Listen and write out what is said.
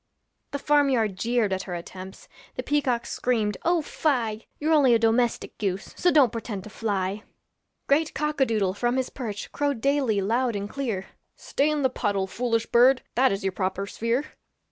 The farm yard jeered at her attempts, The peacocks screamed, 'Oh fie! You're only a domestic goose, So don't pretend to fly.' Great cock a doodle from his perch Crowed daily loud and clear, 'Stay in the puddle, foolish bird, That is your proper sphere.'